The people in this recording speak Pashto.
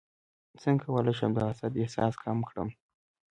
څنګه کولی شم د حسد احساس کم کړم